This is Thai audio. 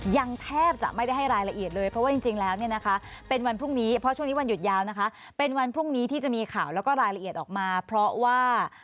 ยังแทบจะไม่ได้ให้รายละเอียดเลยเพราะว่าจริงแล้วเนี่ยนะคะเป็นวันพรุ่งนี้เพราะช่วงนี้วันหยุดยาวนะคะเป็นวันพรุ่งนี้ที่จะมีข่าวแล้วก็รายละเอียดออกมาเพราะว่า